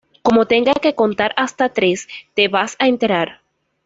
Como tenga que contar hasta tres, te vas a enterar